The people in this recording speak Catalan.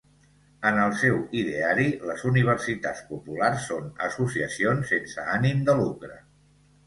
En el seu ideari les Universitats Populars són associacions sense ànim de lucre.